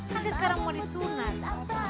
kan sekarang mau disunat